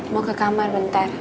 mau ke kamar bentar